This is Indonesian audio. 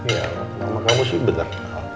ya sama kamu sih bentar